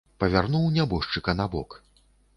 Павярнуў нябожчыка на бок.